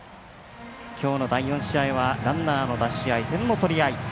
きょうの第４試合はランナーの出し合い、点の取り合い。